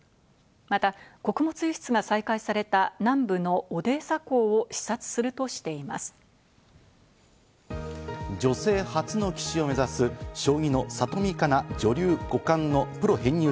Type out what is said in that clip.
また穀物輸出が再開された南部のオデーサ港を視察するとしていま女性初の棋士を目指す将棋の里見香奈女流五冠のプロ編入